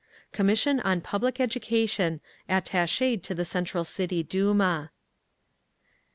Commission on Public Education attached to the Central City Duma. 18.